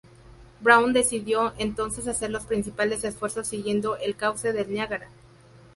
Brown decidió, entonces, hacer los principales esfuerzos siguiendo el cauce del Niágara.